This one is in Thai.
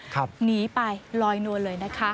หนีไปลอยนวลเลยนะคะ